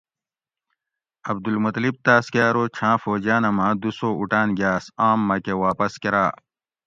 عبدالمطلب تاسکہ ارو چھاں فوجیانہ ماۤں دُو سو اُٹاۤن گاۤس آم مکۤہ واپس کراۤ